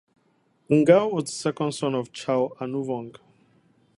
Ngao was the second son of Chao Anouvong.